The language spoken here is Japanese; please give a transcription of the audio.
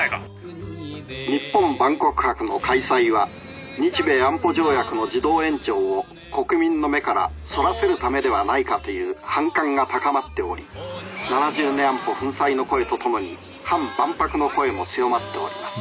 「日本万国博の開催は日米安保条約の自動延長を国民の目からそらせるためではないかという反感が高まっており７０年安保粉砕の声とともに反万博の声も強まっております」。